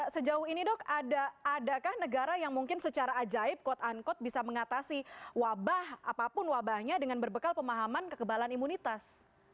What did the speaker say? sejauh ini dok adakah negara yang mungkin secara ajaib quote unquote bisa mengatasi wabah apapun wabahnya dengan berbekal pemahaman kekebalan imunitas